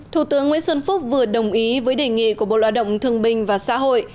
thủ tướng nguyễn xuân phúc vừa đồng ý với đề nghị của bộ lao động thương binh và xã hội